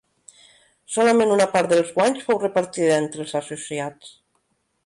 Solament una part dels guanys fou repartida entre els associats.